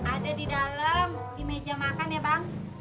ada di dalam di meja makan ya bang